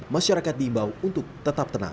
masyarakat diimbau untuk tetap tenang